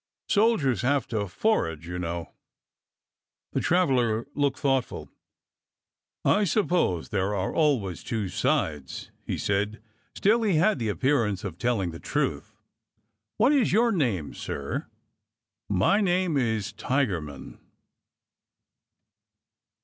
Soldiers have to forage, you know." The traveler looked thoughtful. '' I suppose there are always two sides," he said. Still— he had the appearance of telling the truths What is your name, sir ?"" My name is Tigerman."